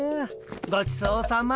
ごちそうさま。